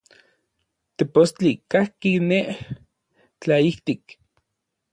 Tepostli kajki nej, tlaijtik.